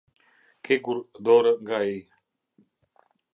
Kegur dorë nga ai.